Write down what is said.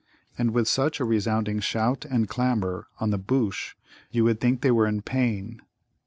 And with such a resounding shout and clamour on the Bhōōsh you would think they were in pain.